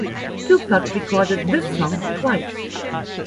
Tupac recorded this song twice.